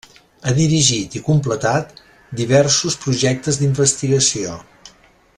Ha dirigit i completat diversos projectes d'investigació.